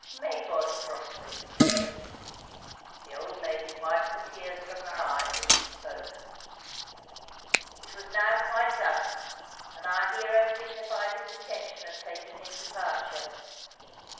"May God prosper you, Richard." The old lady wiped the tears from her eyes as she spoke. It was now quite dusk; and our hero signified his intention of taking his departure.